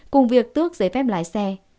cùng việc tước giấy phép lái xe